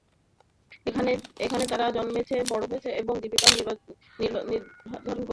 এখানে তারা জন্মেছে, বড় হয়েছে, এবং জীবিকা নির্বাহ করেছে।